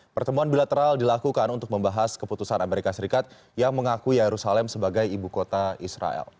pertemuan bilateral dilakukan untuk membahas keputusan amerika serikat yang mengakui yerusalem sebagai ibu kota israel